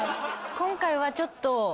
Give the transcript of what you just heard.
今回はちょっと。